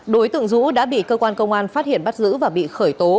đối tượng dũ đã bị cơ quan công an phát hiện bắt giữ và bị khởi tố